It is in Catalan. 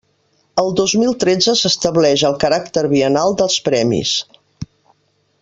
El dos mil tretze s'estableix el caràcter biennal dels premis.